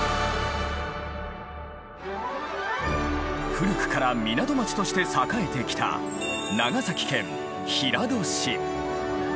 古くから港町として栄えてきた長崎県平戸市。